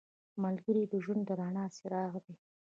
ملګری د ژوند د رڼا څراغ دی